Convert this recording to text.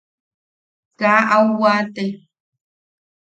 Kaa au waate.